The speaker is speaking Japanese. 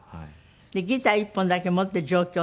ギター１本だけ持って上京。